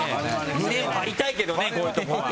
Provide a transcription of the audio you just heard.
胸張りたいけどねこういうところは。